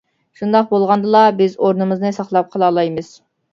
شۇنداق بولغاندىلا بىز ئورنىمىزنى ساقلاپ قالالايمىز.